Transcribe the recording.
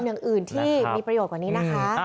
อย่างอื่นที่มีประโยชน์กว่านี้นะคะ